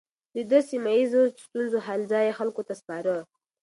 ده د سيمه ييزو ستونزو حل ځايي خلکو ته سپاره.